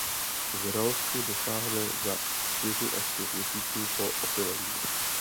Zralosti dosáhne za čtyři až pět měsíců po opylení.